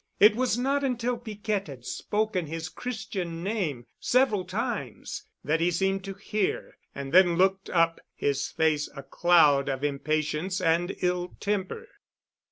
It was not until Piquette had spoken his Christian name several times that he seemed to hear and then looked up, his face a cloud of impatience and ill temper.